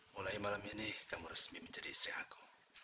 mulai malam ini kamu resmi menjadi istri ako